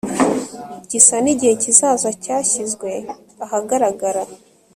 gisa nigihe kizaza cyashyizwe ahagaragara